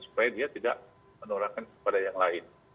supaya dia tidak menularkan kepada yang lain